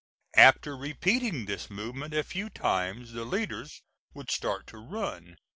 After repeating this movement a few times the leaders would start to run.